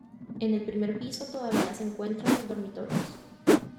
En el primer piso todavía se encuentran los dormitorios.